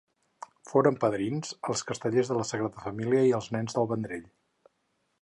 Foren padrins els Castellers de la Sagrada Família i els Nens del Vendrell.